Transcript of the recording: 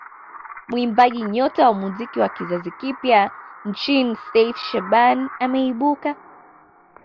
Muimbaji nyota wa muziki wa kizazi kipya nchini Seif Shabani ameibuka